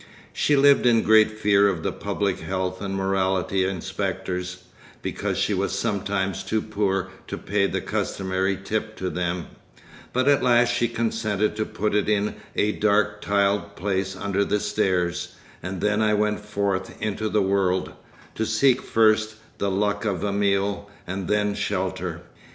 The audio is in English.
She lived in great fear of the Public Health and Morality Inspectors, because she was sometimes too poor to pay the customary tip to them, but at last she consented to put it in a dark tiled place under the stairs, and then I went forth into the world—to seek first the luck of a meal and then shelter.